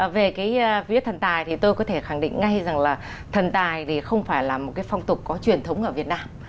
về cái vía thần tài thì tôi có thể khẳng định ngay rằng là thần tài thì không phải là một cái phong tục có truyền thống ở việt nam